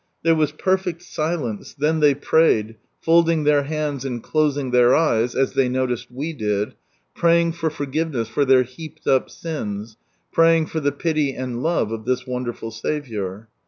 There was perfect silence, tlien ihey prayed, folding their hands and closing their eyes, as they noticed we did, praying for forgiveness for their " heaped up sins," praying for the pity and love of this wonderful Saviour.